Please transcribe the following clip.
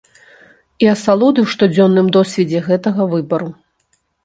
І асалоды ў штодзённым досведзе гэтага выбару.